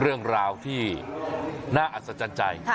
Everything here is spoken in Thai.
เรื่องราวที่น่าอัศจรรย์ใจ